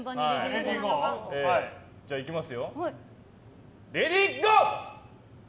じゃあ、いきます。